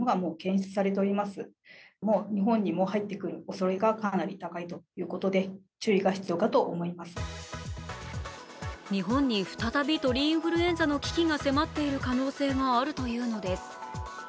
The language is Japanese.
そんな中日本に再び鳥インフルエンザの危機が迫っている可能性があるというのです。